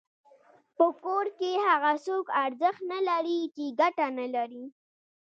په کور کي هغه څوک ارزښت نلري چي ګټه نلري.